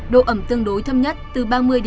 độ ẩm tương đối thấp nhất từ ba mươi bốn mươi năm